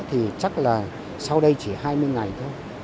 thì chắc là sau đây chỉ hai mươi ngày thôi